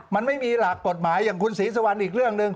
มันไม่มีหลักกฎหมายอย่างคุณศรีสุวรรณอีกเรื่องหนึ่ง